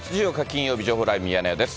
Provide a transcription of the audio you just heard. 金曜日、情報ライブミヤネ屋です。